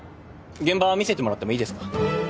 現場見せてもらってもいいですか？